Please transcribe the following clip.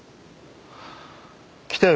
来たよ